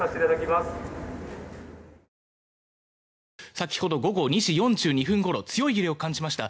先ほど午後２時４２分ごろ強い揺れを感じました。